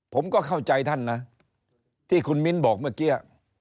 ผมก็เข้าใจท่านนะที่คุณมิ้นบอกเมื่อกี้